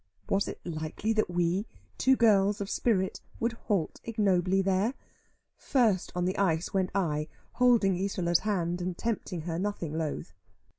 Was it likely that we, two girls of spirit, would halt ignobly there? First on the ice went I, holding Isola's hand, and tempting her nothing loth.